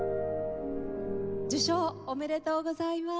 受賞おめでとうございます。